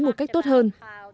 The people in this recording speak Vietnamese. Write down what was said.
một cách tốt hơn